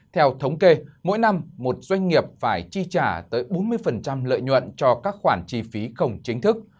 theo thống kê mỗi năm một doanh nghiệp phải chi trả tới bốn mươi lợi nhuận cho các khoản chi phí không chính thức